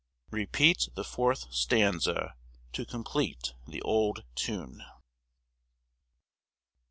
Repeat the fourth stanza to complete the old tune.